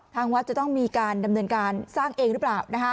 ทางวัดจะต้องมีการดำเนินการสร้างเองหรือเปล่า